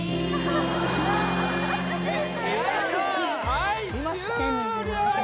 はい終了いました？